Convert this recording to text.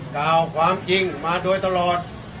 กล่าวความจริงมาโดยตลอด